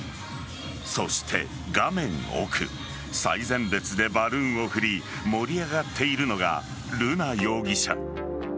そして、画面奥最前列でバルーンを振り盛り上がっているのが瑠奈容疑者。